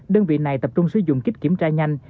đơn vị này tập trung sử dụng kích kiểm tra nhanh